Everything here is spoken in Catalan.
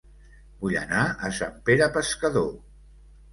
Vull anar a Sant Pere Pescador